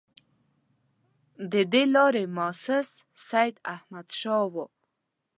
د دې لارې مؤسس سیداحمدشاه وو.